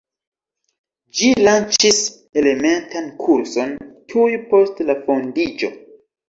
Ĝi lanĉis elementan kurson tuj post la fondiĝo.